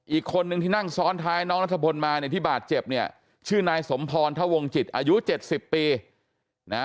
อีกคนนึงที่นั่งซ้อนท้ายน้องนัทพลมาเนี่ยที่บาดเจ็บเนี่ยชื่อนายสมพรทวงจิตอายุเจ็ดสิบปีนะ